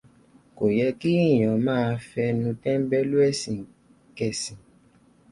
Kò yẹ kí èèyàn máa fẹnu téḿbẹ́lú ẹ̀sìn kẹsìn.